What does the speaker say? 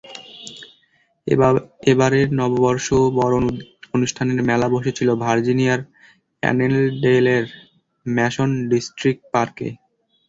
এবারের নববর্ষ বরণ অনুষ্ঠানের মেলা বসেছিল ভার্জিনিয়ার অ্যানেন্ডেলের ম্যাশন ডিষ্ট্রিক পার্কে।